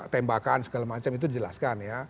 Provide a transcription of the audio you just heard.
tembakan segala macam itu dijelaskan ya